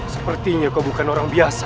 sepertinya kau bukan orang biasa